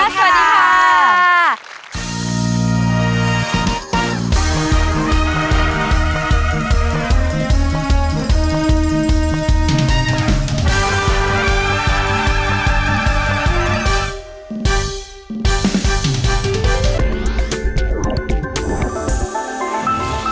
สวัสดีค่ะ